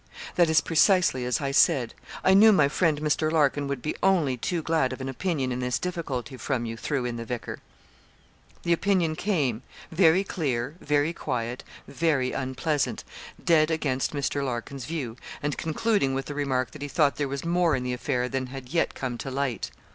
'That is precisely as I said. I knew my friend, Mr. Larkin, would be only too glad of an opinion in this difficulty from you,' threw in the vicar. The opinion came very clear, very quiet, very unpleasant dead against Mr. Larkin's view, and concluding with the remark that he thought there was more in the affair than had yet come to light.